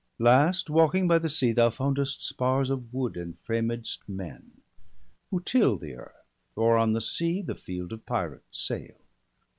Last, walking by the sea, thou foundest spars Of wood, and framed'st men, who till the earth, Or on the sea, the field of pirates, sail.